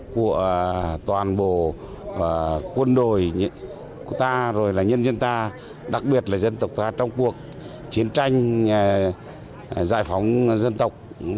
của toàn bộ quân đội của ta rồi là nhân dân ta đặc biệt là dân tộc ta trong cuộc chiến tranh giải phóng dân tộc